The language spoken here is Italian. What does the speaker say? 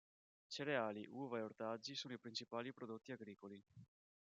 Cereali, uva e ortaggi sono i principali prodotti agricoli.